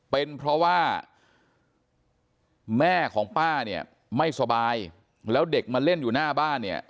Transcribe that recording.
เป็นเพราะว่าแม่ของป้าเนี่ยไม่สบายแล้วเด็กมาเล่นอยู่หน้าบ้านเนี่ย